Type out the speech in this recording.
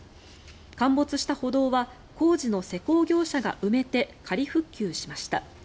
陥没した歩道は工事の施工業者が埋めて仮復旧しました。